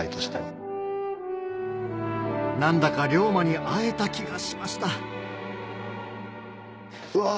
何だか龍馬に会えた気がしましたうわ